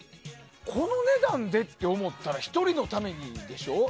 この値段でって思ったら１人のためにでしょ？